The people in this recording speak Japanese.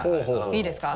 いいですか？